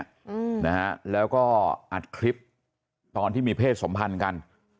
อืมนะฮะแล้วก็อัดคลิปตอนที่มีเพศสมพันธ์กัน